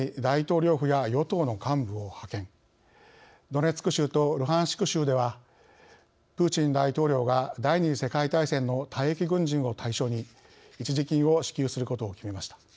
ドネツク州とルハンシク州ではプーチン大統領が第２次世界大戦の退役軍人を対象に一時金を支給することを決めました。